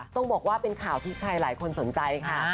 ต้องบอกว่าเป็นข่าวที่ใครหลายคนสนใจค่ะ